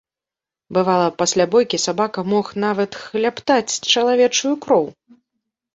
Бывала, пасля бойкі сабака мог нават хлябтаць чалавечую кроў.